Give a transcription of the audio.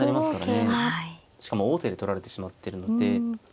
しかも王手で取られてしまってるので。